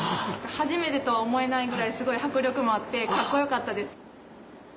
初めてとは思えないぐらいすごい迫力もあってかっこよかったです。